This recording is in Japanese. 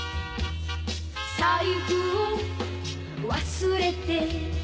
「財布を忘れて」